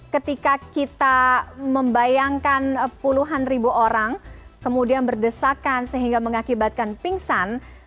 ketika kita membayangkan puluhan ribu orang kemudian berdesakan sehingga mengakibatkan pingsan